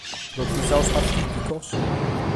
Lotizados partìticos?